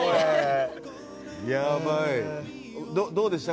どうでした？